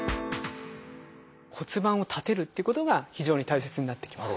骨盤を立てるってことが非常に大切になってきます。